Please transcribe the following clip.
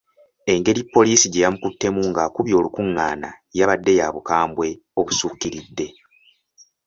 Engeri poliisi gye yamukuttemu ng’akubye olukung’aana yabadde ya bukambwe obusukkiridde.